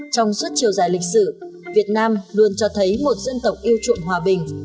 trong suốt chiều dài lịch sử việt nam luôn cho thấy một dân tộc yêu chuộng hòa bình